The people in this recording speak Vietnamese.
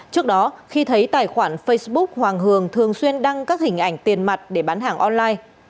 trước đó khi thấy tài khoản facebook hoàng hường thường xuyên đăng các hình ảnh tiền mặt để bán hàng online